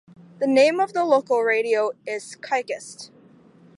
The name of the local radio is Chichest.